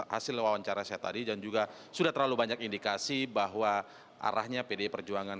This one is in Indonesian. hasil wawancara saya tadi dan juga sudah terlalu banyak indikasi bahwa arahnya pdi perjuangan